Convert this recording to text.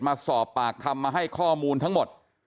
มาสอบปากคำมาให้ข้อมูลทั้งหมด